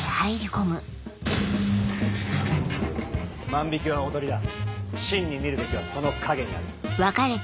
万引は囮だ真に見るべきはその陰にある。